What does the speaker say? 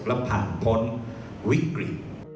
และผ่านพ้นวิกฤต